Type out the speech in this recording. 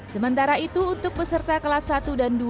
sementara itu untuk peserta kelas satu dan dua